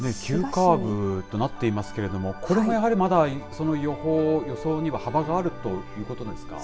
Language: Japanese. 急カーブとなっていますけれどもこれも、やはりまた予想には幅があるということなんですか。